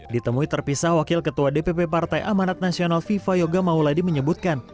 ditemui terpisah wakil ketua dpp partai amanat nasional viva yoga mauladi menyebutkan